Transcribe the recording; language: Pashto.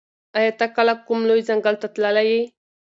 ایا ته کله کوم لوی ځنګل ته تللی یې؟